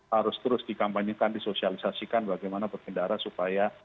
harus terus dikampanyekan disosialisasikan bagaimana berkendara supaya